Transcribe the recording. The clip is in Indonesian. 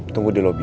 tunggu di lobby